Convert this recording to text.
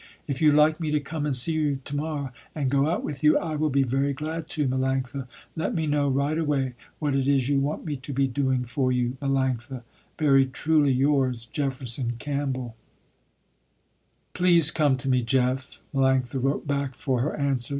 If you like me to come and see you to morrow, and go out with you, I will be very glad to, Melanctha. Let me know right away, what it is you want me to be doing for you, Melanctha. Very truly yours, Jefferson Campbell "Please come to me, Jeff." Melanctha wrote back for her answer.